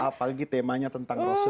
apalagi temanya tentang rasulullah saw